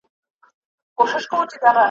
ویاړلی بیرغ `